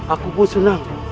aku pun senang